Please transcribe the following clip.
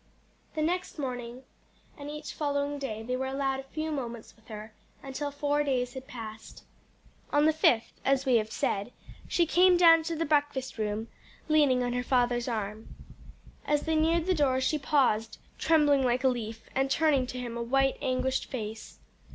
The next morning and each following day they were all allowed a few moments with her, until four days had passed. On the fifth, as we have said, she came down to the breakfast room leaning on her father's arm. As they neared the door she paused, trembling like a leaf, and turning to him a white, anguished face.